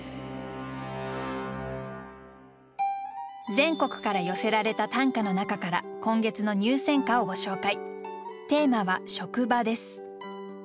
全国から寄せられた短歌の中から今月の入選歌をご紹介。